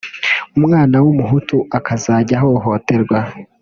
umwana w’umuhutu akazajya ahohoterwa